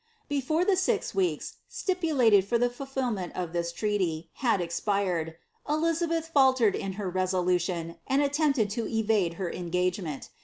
Before the six weeks, stipulated for the fulfdment of (his Irenlv. haJ expired, Elizabeth faltered in her resnlutinn, and attempted to evade li«r engagement.